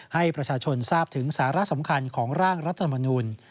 ให้ประชาชนทราบถึงสาระสำคัญของร่างรัฐมนุน